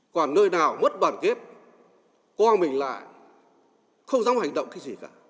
còn nơi nào mất đoàn kết quang mình lại không dám hành động cái gì cả